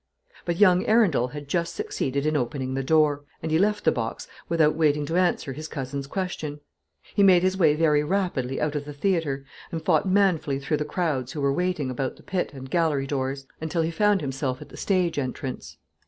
But young Arundel had just succeeded in opening the door, and he left the box without waiting to answer his cousin's question. He made his way very rapidly out of the theatre, and fought manfully through the crowds who were waiting about the pit and gallery doors, until he found himself at the stage entrance.